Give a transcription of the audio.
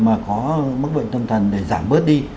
mà có mắc bệnh tâm thần để giảm bớt đi